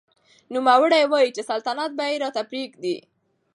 نوموړي وايي چې سلطنت به رایې ته پرېږدي.